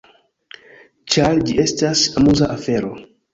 Ĉar ĝi estas amuza afero.